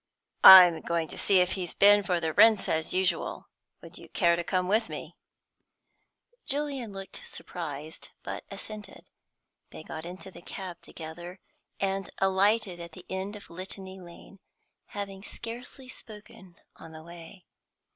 "I'm going to see if he's been for the rents as usual. Would you care to come with me?" Julian looked surprised, but assented. They got into the cab together, and alighted at the end of Litany Lane, having scarcely spoken on the way.